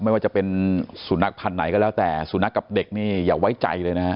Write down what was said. ไม่ว่าจะเป็นสุนัขพันธ์ไหนก็แล้วแต่สุนัขกับเด็กนี่อย่าไว้ใจเลยนะฮะ